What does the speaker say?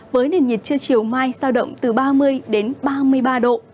với nền nhiệt chưa chiều mai sao động từ ba mươi đến ba mươi ba độ